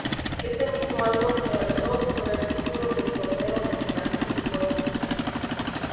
Ese mismo año se alzó con el título del torneo de liga, el Molinas.